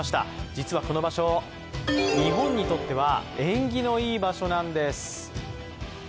実はこの場所、日本にとっては縁起のいい場所なんです。